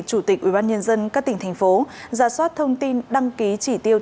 chủ tịch ubnd các tỉnh thành phố ra soát thông tin đăng ký chỉ tiêu